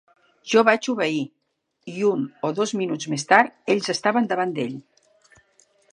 Jo vaig obeir, i un o dos minuts més tard ells estaven davant d'ell.